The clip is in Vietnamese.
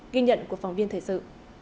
ghi nhận của phóng viên thời sự